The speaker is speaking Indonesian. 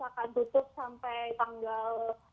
akan tutup sampai tanggal